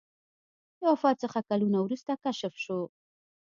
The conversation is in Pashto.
له وفات څخه کلونه وروسته کشف شو.